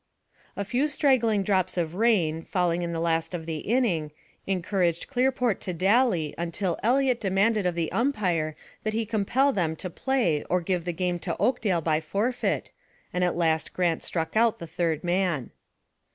A few straggling drops of rain, falling in the last of the inning, encouraged Clearport to dally until Eliot demanded of the umpire that he compel them to play or give the game to Oakdale by forfeit, and at last Grant struck out the third man.